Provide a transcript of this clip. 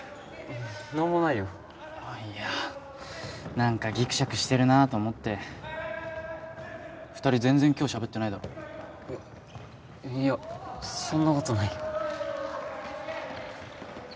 何もないよいや何かギクシャクしてるなと思って二人全然今日しゃべってないだろいやそんなことないよ